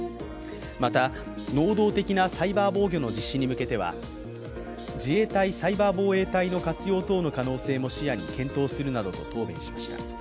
また、能動的なサイバー防御の実施に向けては、自衛隊サイバー防衛隊の活用等の可能性も視野に検討するなどと答弁しました。